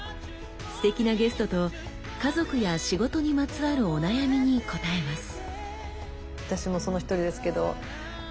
すてきなゲストと家族や仕事にまつわるお悩みに答えます。